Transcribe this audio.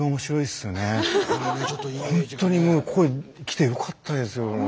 本当にもうここへ来てよかったですよ。